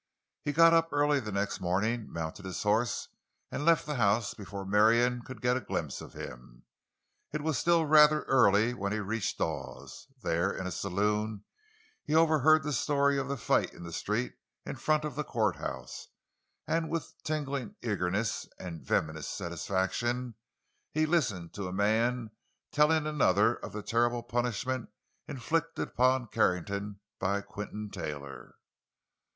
He got up early the next morning, mounted his horse and left the house before Marion could get a glimpse of him. It was still rather early when he reached Dawes. There, in a saloon, he overheard the story of the fight in the street in front of the courthouse, and with tingling eagerness and venomous satisfaction he listened to a man telling another of the terrible punishment inflicted upon Carrington by Quinton Taylor.